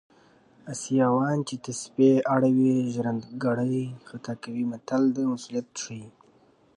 اسیاوان چې تسبې اړوي ژرندګړی خطا کوي متل د مسوولیت ښيي